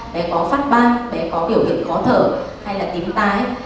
bé có phát ban bé có biểu hiện khó thở hay là tím tái